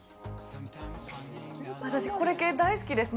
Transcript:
私、これ系、大好きです。